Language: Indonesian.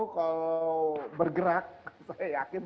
kalau bergerak saya yakin